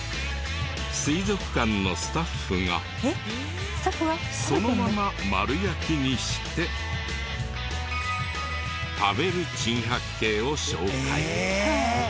水族館のスタッフがそのまま丸焼きにして食べる珍百景を紹介。